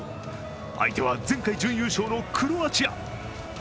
相手は前回準優勝のクロアチア。